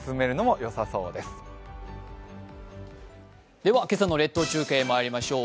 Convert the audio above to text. では今朝の列島中継、まいりましょう。